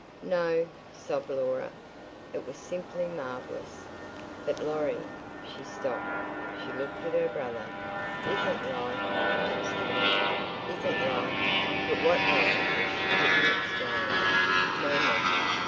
"No," sobbed Laura. "It was simply marvellous. But Laurie—" She stopped, she looked at her brother. "Isn't life," she stammered, "isn't life—" But what life was she couldn't explain. No matter.